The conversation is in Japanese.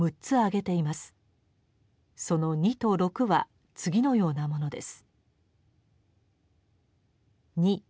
その二と六は次のようなものです。